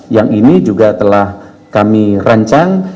yang ini juga telah kami rancang